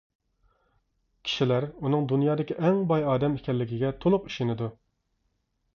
كىشىلەر ئۇنىڭ دۇنيادىكى ئەڭ باي ئادەم ئىكەنلىكىگە تولۇق ئىشىنىدۇ.